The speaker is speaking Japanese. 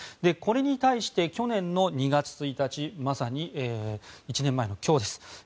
これに対して去年の２月１日まさに１年前の今日です。